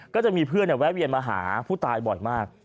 ก็จะมีเพื่อนแวะเวียนมาหาผู้ตายบ่อยมาก